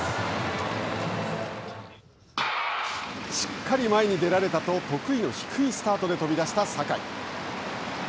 しっかり前に出られたと得意の低いスタートで飛び出した坂井。